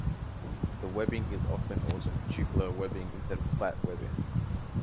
The webbing is often also tubular webbing, instead of flat webbing.